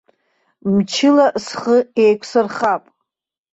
Мчыла схы еиқәсырхап.